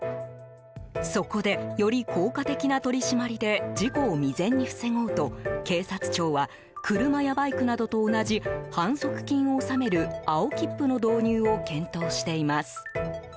そこでより効果的な取り締まりで事故を未然に防ごうと警察庁は、車やバイクなどと同じ反則金を納める青切符の導入を検討しています。